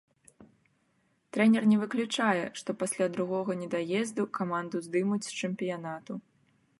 Трэнер не выключае, што пасля другога недаезду каманду здымуць з чэмпіянату.